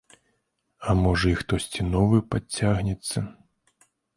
А можа і хтосьці новы падцягнецца.